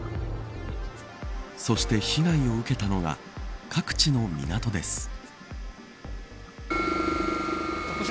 そして被害を受けたのが各地の港です。